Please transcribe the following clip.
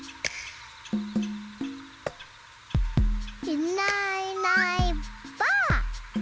いないいないばあっ！